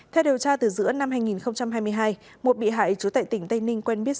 theo điều tra từ giữa năm hai nghìn hai mươi hai một bị hại chú tệ tỉnh tây ninh quen biết